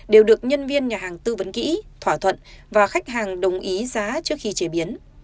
đều được nhân viên nhà hàng tư vấn kỹ thỏa thuận và khách hàng đồng ý giá trước khi chế biến